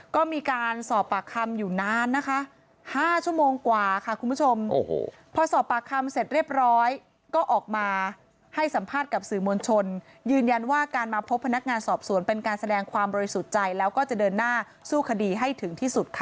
ก็มีการสอบปากคำอยู่นานนะคะ๕ชั่วโมงกว่าค่ะคุณผู้ชมพอสอบปากคำเสร็จเรียบร้อยก็ออกมาให้สัมภาษณ์กับสื่อมวลชนยืนยันว่าการมาพบพนักงานสอบสวนเป็นการแสดงความบริสุทธิ์ใจแล้วก็จะเดินหน้าสู้คดีให้ถึงที่สุดค่ะ